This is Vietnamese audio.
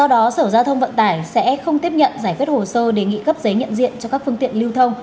đó sở giao thông vận tải sẽ không tiếp nhận giải quyết hồ sơ đề nghị cấp giấy nhận diện cho các phương tiện lưu thông